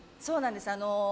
そうなんです